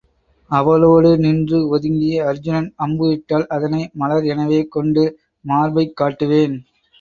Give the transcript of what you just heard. அவளோடு நின்று ஒதுங்கி அருச்சுனன் அம்பு இட்டால் அதனை மலர் எனவே கொண்டு மார்பைக் காட்டுவேன்.